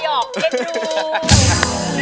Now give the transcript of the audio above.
เย็นดู